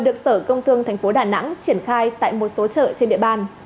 ở công tương thành phố đà nẵng triển khai tại một số chợ trên địa bàn